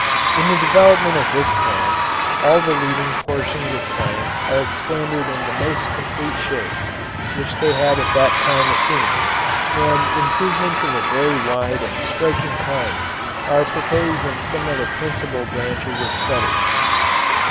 In the development of this plan all the leading portions of science are expanded in the most complete shape which they had at that time assumed; and improvements of a very wide and striking kind are proposed in some of the principal branches of study.